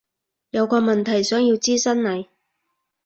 有個問題想要諮詢你